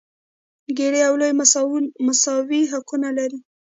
ګېري او لويي مساوي حقونه لري.